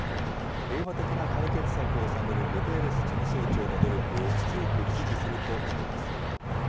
平和的な解決策を探るグテーレス事務総長の努力を強く支持するとしています。